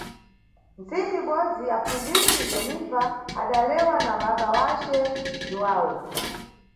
Ntsiku ibodzi, apfundzisi Jenifa adalewa na baba wace Jhuwawu